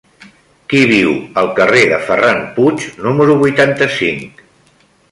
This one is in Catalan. Qui viu al carrer de Ferran Puig número vuitanta-cinc?